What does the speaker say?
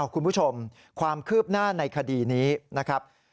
คุณผู้ชมความคืบหน้าในคดีนี้นะครับ